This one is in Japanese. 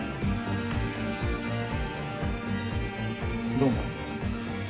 どうも。